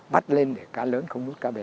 bắt lên để cá lớn không nuốt cá bé